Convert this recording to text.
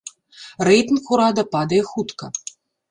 Рэйтынг урада падае хутка.